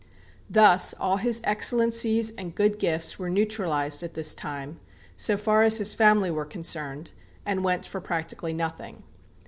Thus all his excellencies and good gifts were neutralized at this time, so far as his family were concerned, and went for practically nothing.